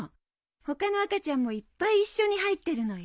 他の赤ちゃんもいっぱい一緒に入ってるのよ。